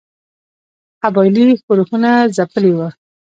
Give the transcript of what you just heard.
قبایلي ښورښونه ځپلي وه.